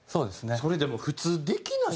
それでも普通できない。